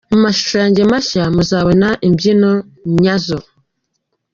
Mu mashusho yanjye mashya muzabona imbyino nyazo.